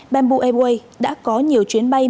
bamboo airways đã có nhiều chuyến bay